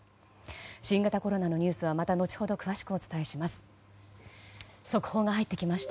新型コロナのニュースは後ほど、詳しくお伝え致します。